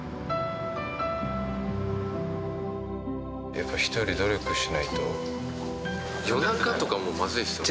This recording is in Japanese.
やっぱ人より努力しないと夜中とかもうマズいっすよね？